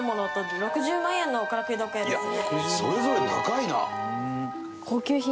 いやそれぞれ高いな！